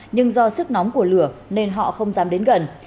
nhưng do sức nóng của lửa nên họ không dám đến gần